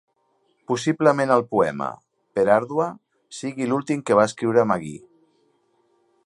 Possiblement, el poema, "Per Ardua", sigui l'últim que va escriure Magee.